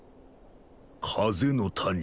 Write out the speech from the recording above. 風の谷。